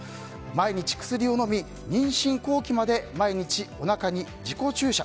毎日薬を飲み妊娠後期まで毎日おなかに自己注射